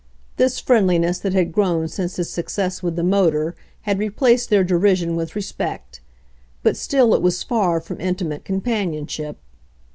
This friendliness that had grown since his success with the motor had replaced their derision with respect, but still it was far from intimate companionship.